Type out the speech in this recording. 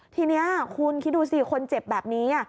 ทีนี้คุณคิดดูสิคนเจ็บแบบนี้